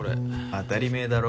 当たりめぇだろ。